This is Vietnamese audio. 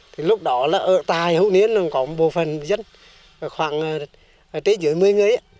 thì lúc đó là tài hữu niên có một bộ phần dân khoảng tới dưới một mươi người